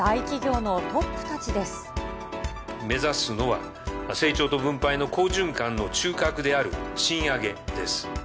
目指すのは、成長と分配の好循環の中核である賃上げです。